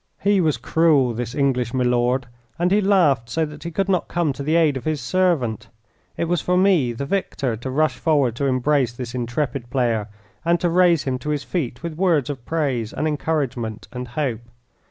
He was cruel, this English milord, and he laughed so that he could not come to the aid of his servant. It was for me, the victor, to rush forward to embrace this intrepid player, and to raise him to his feet with words of praise, and encouragement, and hope.